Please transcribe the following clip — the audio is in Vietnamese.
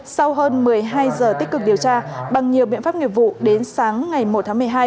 sau hơn một mươi hai giờ tích cực điều tra bằng nhiều biện pháp nghiệp vụ đến sáng ngày một tháng một mươi hai